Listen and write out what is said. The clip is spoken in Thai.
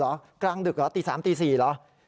เกิดดึกหรือกลางดึกหรือตี๓ตี๔หรือ